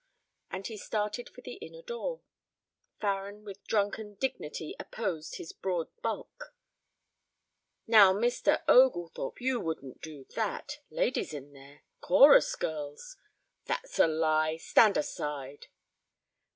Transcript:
As he started for the inner door, Farren with drunken dignity opposed his broad bulk. "Now, Mr. Oglethorpe, you wouldn't do that. Ladies in there. Chorus girls " "That's a lie. Stand aside."